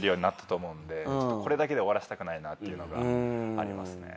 これだけで終わらせたくないなっていうのがありますね。